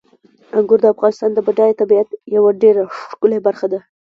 انګور د افغانستان د بډایه طبیعت یوه ډېره ښکلې برخه ده.